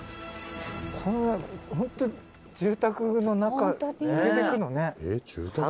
「こんな本当に住宅の中抜けていくのね」